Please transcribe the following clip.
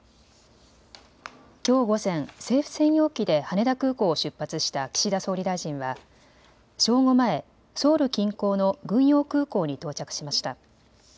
きょう午前、政府専用機で羽田空港を出発した岸田総理大臣は正午前、ソウル近郊の軍用空港に到着しました。